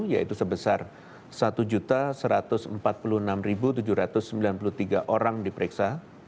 yaitu sebesar satu satu ratus empat puluh enam tujuh ratus sembilan puluh tiga orang diperiksa